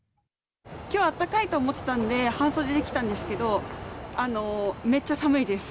きょう、あったかいと思ってたので、半袖で来たんですけど、めっちゃ寒いです。